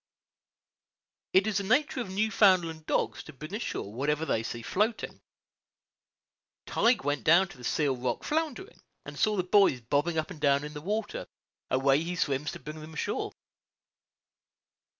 It is the nature of Newfoundland dogs to bring ashore whatever they see floating. Tige went down to the Seal Rock floundering, and saw the buoys bobbing up and down in the water; away he swims to bring them ashore.